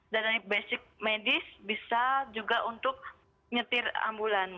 dan dari basic medis bisa juga untuk nyetir ambulans